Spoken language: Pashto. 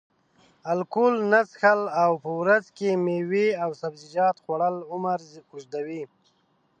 الکول نه څښل او په ورځ کې میوې او سبزیجات خوړل عمر اوږدوي.